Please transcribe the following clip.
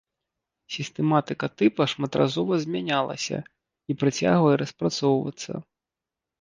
Сістэматыка тыпа шматразова змянялася і працягвае распрацоўвацца.